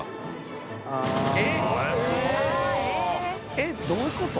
えっどういうこと？